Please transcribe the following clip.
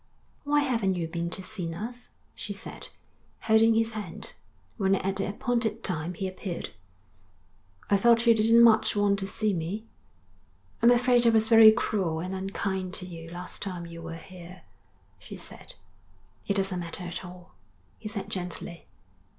_ 'Why haven't you been to see us?' she said, holding his hand, when at the appointed time he appeared. 'I thought you didn't much want to see me.' 'I'm afraid I was very cruel and unkind to you last time you were here,' she said. 'It doesn't matter at all,' he said gently.